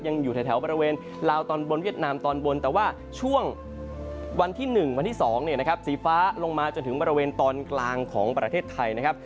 อยู่แถวบริเวณลาวตอนบนเวียดนามตอนบนแต่ว่าช่วงวันที่๑วันที่๒เนี่ยนะครับสีฟ้าลงมาจนถึงบริเวณตอนกลางของประเทศไทยนะครับ